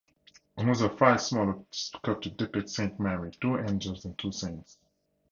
Another five smaller sculptures depict Saint Mary, two angels and two saints.